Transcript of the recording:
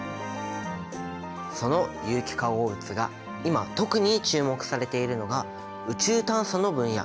その有機化合物が今特に注目されているのが宇宙探査の分野。